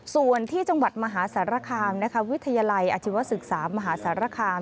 ส่วนที่จังหวัดมหาสารคามวิทยาลัยอาชีวศึกษามหาสารคาม